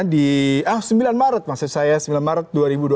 di sembilan maret maksud saya sembilan maret dua ribu dua puluh